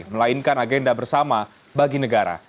melainkan agenda bersama bagi negara